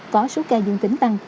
có số ca dương tính tăng